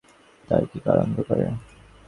তার কী কারণ হতে পারে?